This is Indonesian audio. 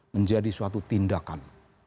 menjadi suatu tindakan